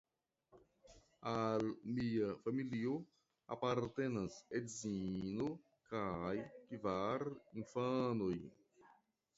Al lia familio apartenas edzino kaj kvar infanoj.